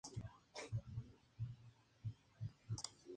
O'Neill fue creado Conde de Tyrone.